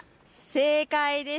正解です。